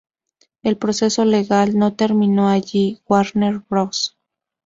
El proceso legal no terminó allí; Warner Bros.